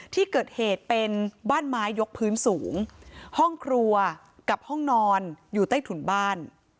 ที่เกิดเหตุเป็นบ้านไม้ยกพื้นสูงห้องครัวกับห้องนอนอยู่ใต้ถุนบ้าน